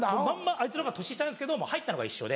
あいつのほうが年下なんですけど入ったのが一緒で。